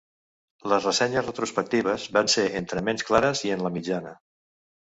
Les ressenyes retrospectives van ser entre menys clares i en la mitjana.